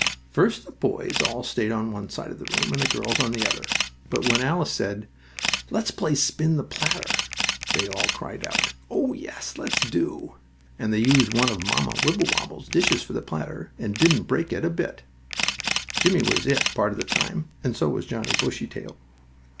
First the boys all stayed on one side of the room and the girls on the other, but when Alice said, "Let's play spin the platter," they all cried out, "Oh, yes, let's do it." And they used one of Mamma Wibblewobble's dishes for the platter, and didn't break it a bit. Jimmie was "it" part of the time, and so was Johnnie Bushytail.